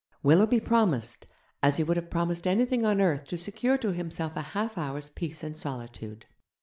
Willoughby promised, as he would have promised anything on earth to secure to himself a half hour's peace and solitude.